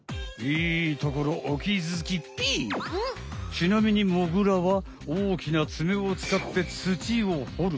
ちなみにモグラはおおきなツメをつかって土をほる。